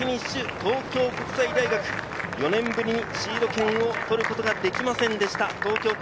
東京国際大学、４年ぶりにシード権を取ることができませんでした。